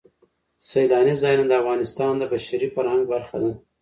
سیلانی ځایونه د افغانستان د بشري فرهنګ برخه ده.